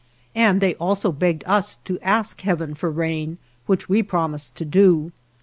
And they also begged us to ask Heaven for rain, which we promised to do.